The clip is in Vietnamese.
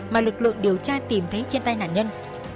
mà lực lượng điều tra tìm thấy trên tay nạn nhân